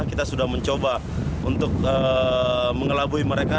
kita sudah mencoba untuk mengelabui mereka